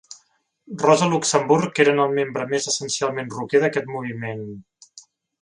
Rosa-Luxemburg eren el membre més essencialment rocker d'aquest moviment.